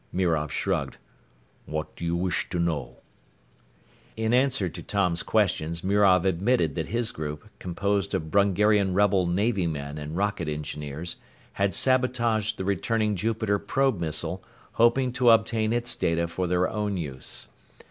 Mirov shrugged. "What do you wish to know?" In answer to Tom's questions, Mirov admitted that his group, composed of Brungarian rebel Navy men and rocket engineers, had sabotaged the returning Jupiter probe missile, hoping to obtain its data for their own use.